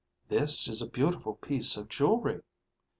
"This is a beautiful piece of jewelry."